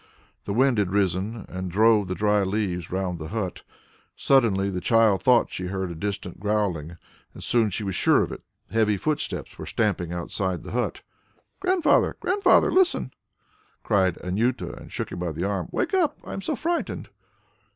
The wind had risen and drove the dry leaves round the hut. Suddenly the child thought she heard a distant growling, and soon she was sure of it; heavy footsteps were stamping outside the hut. "Grandfather, Grandfather, listen!" cried Anjuta, and shook him by the arm. "Wake up! I am so frightened!"